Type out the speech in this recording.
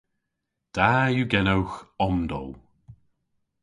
Da yw genowgh omdowl.